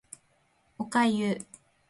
お粥